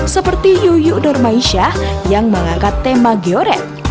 seperti yuyuk dormaisyah yang mengangkat tema georet